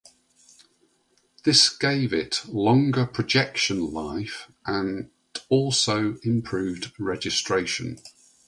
This gave it longer projection life and also improved registration.